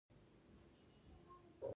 د سکون باغ کې مې ستا تلو سره خزان جوړ شو